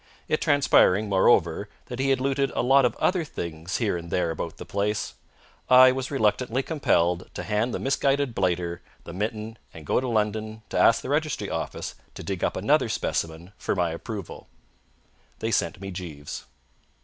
It transpiring, moreover, that he had looted a lot of other things here and there about the place, I was reluctantly compelled to hand the misguided blighter the mitten and go to London to ask the registry office to dig up another specimen for my approval. They sent me Jeeves.